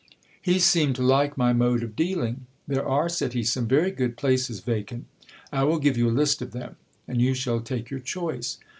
He seemed to like my mode of dealing. There are, said he, some very good places vacant. I will give you a list of them, and you shall take your choice.